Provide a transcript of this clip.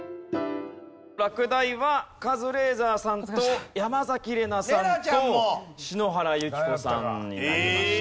落第はカズレーザーさんと山崎怜奈さんと篠原ゆき子さんになりました。